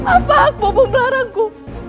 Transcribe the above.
apa hak bopo melarangku